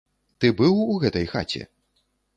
Ты быў у гэтай хаце?